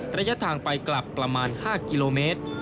ระยะทางไปกลับประมาณ๕กิโลเมตร